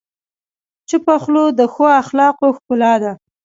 چپه خوله، د ښه اخلاقو ښکلا ده.